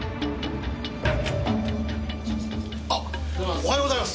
おはようございます！